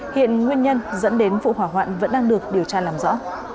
hiện nguyên nhân dẫn đến vụ hỏa hoạn vẫn đang được điều tra làm rõ